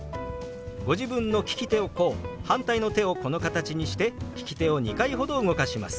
ご自分の利き手をこう反対の手をこの形にして利き手を２回ほど動かします。